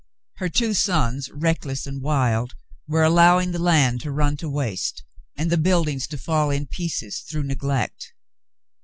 Her two sons, reck less and wild, were allowing the land to run to waste, and the buildings to fall in pieces through neglect.